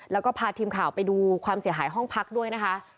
แล้วก็พาทีมข่าวไปดูความเสียหายห้องพักด้วยนะคะ